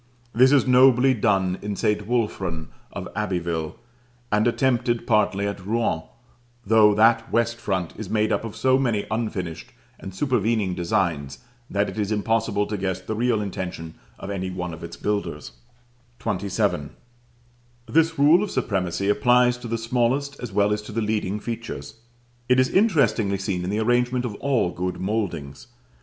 This is nobly done in St. Wulfran of Abbeville, and attempted partly at Rouen, though that west front is made up of so many unfinished and supervening designs that it is impossible to guess the real intention of any one of its builders. [Illustration: PLATE X. (Page 122 Vol. V.) TRACERIES AND MOULDINGS FROM ROUEN AND SALISBURY.] XXVII. This rule of supremacy applies to the smallest as well as to the leading features: it is interestingly seen in the arrangement of all good mouldings.